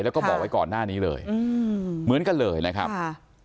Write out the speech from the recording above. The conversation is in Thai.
แล้วก็บอกไว้ก่อนหน้านี้เลยอืมเหมือนกันเลยนะครับค่ะ